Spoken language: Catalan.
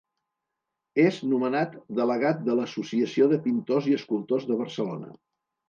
És nomenat Delegat de l'Associació de Pintors i Escultors de Barcelona.